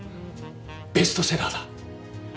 ベストセラーだ！